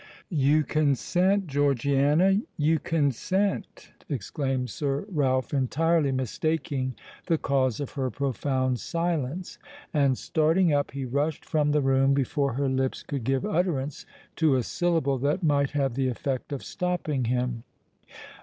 "You consent, Georgiana—you consent!" exclaimed Sir Ralph, entirely mistaking the cause of her profound silence; and, starting up, he rushed from the room before her lips could give utterance to a syllable that might have the effect of stopping him.